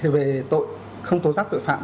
về tội không tố giác tội phạm